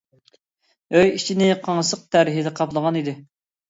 ئۆي ئىچىنى قاڭسىق تەر ھىدى قاپلىغان ئىدى.